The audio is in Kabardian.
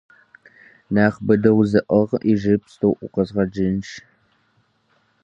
- Нэхъ быдэу зыӀыгъ, иджыпсту укъизгъэкӀыжынщ!